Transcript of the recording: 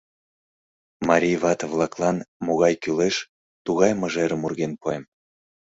Марий вате-влаклан могай кӱлеш, тугай мыжерым урген пуэм.